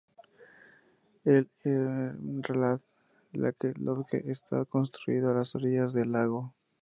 El Emerald Lake Lodge está construido a las orillas del lago.